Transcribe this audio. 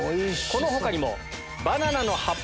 この他にも。